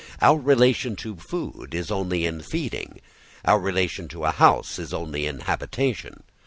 Our relation to food is only in feeding, our relation to a house is only in habitation.